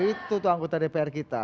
itu tuh anggota dpr kita